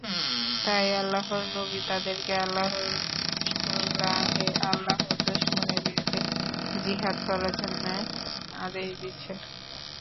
তাই আল্লাহর নবী তাদেরকে আল্লাহর রাহে আল্লাহর দুশমনের বিরুদ্ধে জিহাদ করার জন্যে আদেশ দিচ্ছেন।